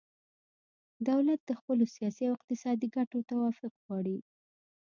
دولت د خپلو سیاسي او اقتصادي ګټو توافق غواړي